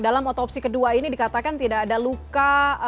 dalam otopsi kedua ini dikatakan tidak ada luka